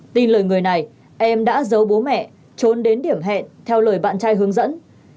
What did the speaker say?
tin lời người này em đã giấu bố mẹ trốn đến điểm hẹn theo lời bạn trai hướng dẫn